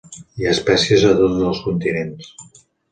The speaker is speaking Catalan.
Hi ha espècies a tots els continents.